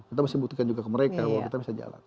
kita masih butuhkan juga ke mereka bahwa kita bisa jalan